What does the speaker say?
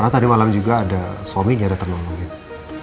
tadi malam juga ada suaminya dateng nonggok gitu